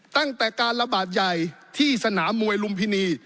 ตั้งแต่การระบาดใหญ่ที่สนามมวยลุมพินี